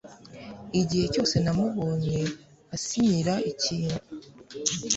igihe cyose namubonye asinyira ikintu